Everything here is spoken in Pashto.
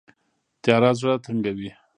تیاره زړه تنګوي